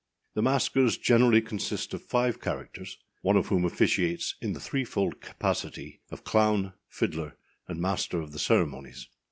The maskers generally consist of five characters, one of whom officiates in the threefold capacity of clown, fiddler, and master of the ceremonies.